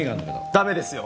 だめですよ！